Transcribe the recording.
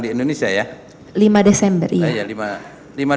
di indonesia ya lima desember